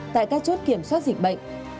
tại các chốt kiểm soát dịch bệnh